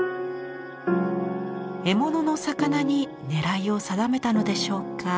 獲物の魚に狙いを定めたのでしょうか。